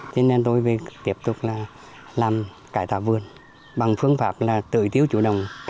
thế nên tôi tiếp tục làm cải tạo vườn bằng phương pháp là tưới tiếu chủ động